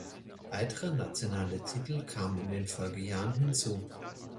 Weitere nationale Titel kamen in den Folgejahren hinzu.